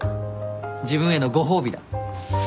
自分へのご褒美だ。